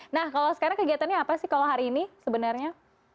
nah kalau sekarang kegiatannya apa sih kalau hari ini sebenarnya